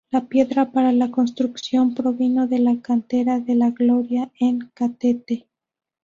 La piedra para la construcción provino de la cantera de la Gloria, en Catete.